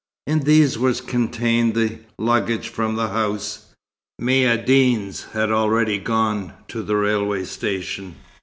In these was contained the luggage from the house; Maïeddine's had already gone to the railway station.